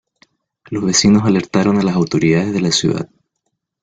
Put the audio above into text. Los vecinos alertaron a las autoridades de la ciudad.